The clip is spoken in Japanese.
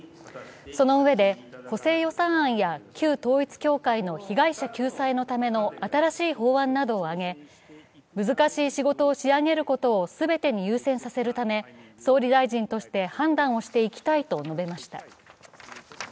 そのうえで、補正予算案や旧統一教会の被害者救済のための新しい法案などを挙げ、難しい仕事を仕上げることを全てに優先させるため、総理大臣として判断をしていきたいと述べました。